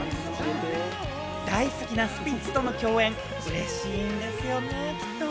大好きなスピッツとの共演、嬉しいんでしょうね、きっと。